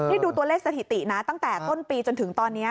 นี่ดูตัวเลขสถิตินะตั้งแต่ต้นปีจนถึงตอนนี้